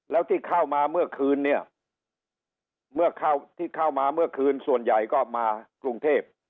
แล้วที่เข้ามาเมื่อคืนเนี่ยเมื่อเข้าที่เข้ามาเมื่อคืนส่วนใหญ่ก็มากรุงเทพ